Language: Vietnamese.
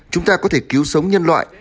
chúng ta có thể cứu sống nhân loại